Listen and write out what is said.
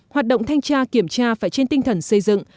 hoạt động thanh tra kiểm tra phải trên tinh thần xây dựng